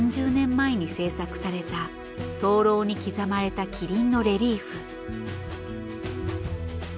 ３０年前に制作された燈籠に刻まれた麒麟のレリーフ。